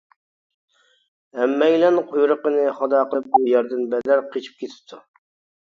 ھەممەيلەن قۇيرۇقىنى خادا قىلىپ بۇ يەردىن بەدەر قېچىپ كېتىپتۇ.